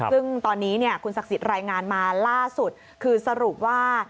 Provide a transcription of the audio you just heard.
ซึ่งตอนนี้คุณศักดิ์สิทธิ์รายงานมาล่าสุดคือสรุปว่า